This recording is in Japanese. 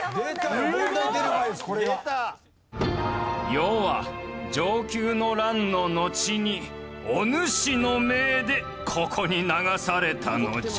余は承久の乱ののちにお主の命でここに流されたのじゃ。